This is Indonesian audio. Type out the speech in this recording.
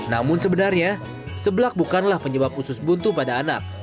namun sebenarnya seblak bukanlah penyebab usus buntu pada anak